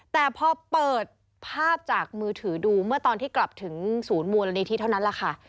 แต่พอเปิดภาพจากมือถือดูเมื่อตอนที่กลับถึงศูนย์มูลนิธิเท่านั้นแหละค่ะ